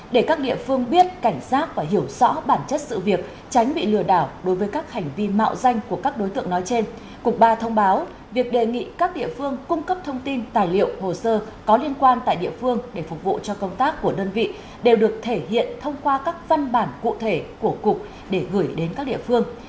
để các địa phương biết cảnh giác và hiểu rõ bản chất sự việc tránh bị lừa đảo đối với các hành vi mạo danh của các đối tượng nói trên cục ba thông báo việc đề nghị các địa phương cung cấp thông tin tài liệu hồ sơ có liên quan tại địa phương để phục vụ cho công tác của đơn vị đều được thể hiện thông qua các văn bản cụ thể của cục để gửi đến các địa phương